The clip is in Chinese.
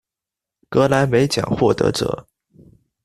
格莱美奖获得者。